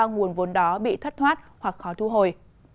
nguồn vốn đó bị thất thoát hoặc khó thu hồi